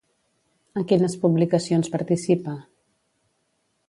En quines publicacions participa?